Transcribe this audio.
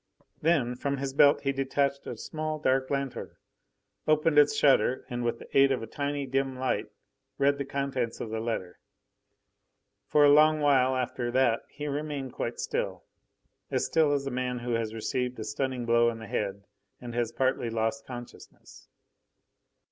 Then from his belt he detached a small dark lanthorn, opened its shutter, and with the aid of the tiny, dim light read the contents of the letter. For a long while after that he remained quite still, as still as a man who has received a stunning blow on the head and has partly lost consciousness.